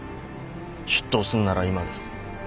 出頭すんなら今です。